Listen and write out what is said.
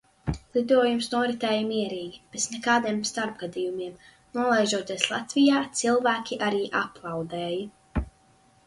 Lidojums noritēja mierīgi, bez nekādiem starpgadījumiem. Nolaižoties Latvijā, cilvēki arī aplaudēja.